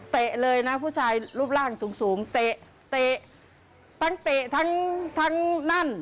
เตะเลยนะผู้ชายรูปร่างสูงเตะทั้งเตะทั้งนั่น